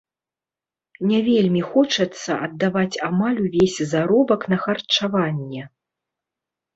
Не вельмі хочацца аддаваць амаль увесь заробак на харчаванне.